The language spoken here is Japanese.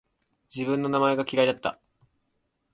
自分の名前が嫌いだった